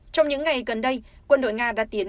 trong những ngày gần đây quân đội nga đã tiến